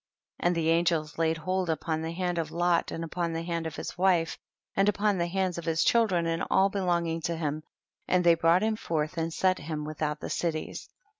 49. And the angels laid hold upon the hand of Lot and upon the hand of his wife, and upon the hands of his children, and all belonging to him, and they brought him forth and set him without the cities.